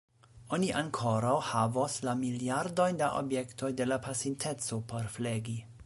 Oni ankoraŭ havos la miliardojn da objektoj de la pasinteco por flegi.